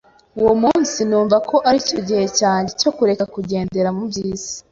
uwo munsi, numva ko ari cyo gihe cyanjye cyo kureka kugendera mu by’isi